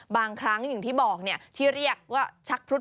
บางครั้งอย่างที่บอกที่เรียกว่าชักพรุษ